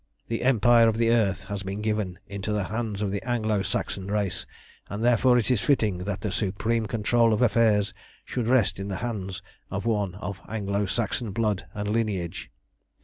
The empire of the earth has been given into the hands of the Anglo Saxon race, and therefore it is fitting that the supreme control of affairs should rest in the hands of one of Anglo Saxon blood and lineage.